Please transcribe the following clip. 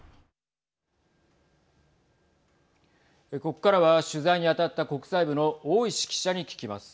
ここからは取材に当たった国際部の大石記者に聞きます。